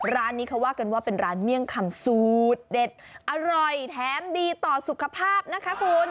ร้านนี้เขาว่ากันว่าเป็นร้านเมี่ยงคำสูตรเด็ดอร่อยแถมดีต่อสุขภาพนะคะคุณ